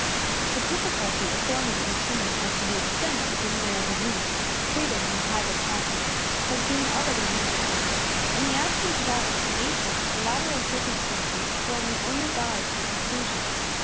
The difficulty of forming an opinion as to the extent of venereal disease treated in private practice has been already mentioned. In the absence of all information, collateral circumstances form the only guide to a conclusion.